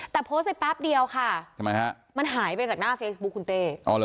แต่โพสต์ไปแป๊บเดียวค่ะทำไมฮะมันหายไปจากหน้าเฟซบุ๊คคุณเต้